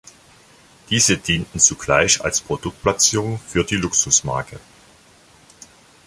Diese dienten zugleich als Produktplatzierung für die Luxusmarke.